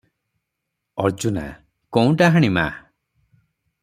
ଅର୍ଜୁନା - କୋଉଁ ଡାହାଣୀ ମା?